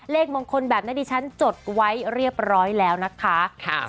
เลขมงคลแบบนี้ดิฉันจดไว้เรียบร้อยแล้วนะคะ